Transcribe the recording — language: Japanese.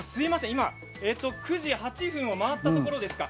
９時８分を回ったところですか。